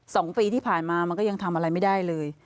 สองปีที่ผ่านมามันก็ยังทำอะไรไม่ได้เลย